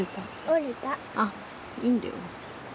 あっいいんだよ。